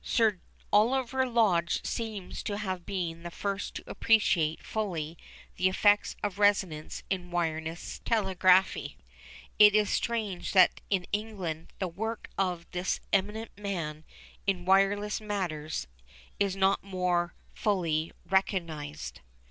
Sir Oliver Lodge seems to have been the first to appreciate fully the effects of resonance in wireless telegraphy. It is strange that in England the work of this eminent man in "wireless" matters is not more fully recognised.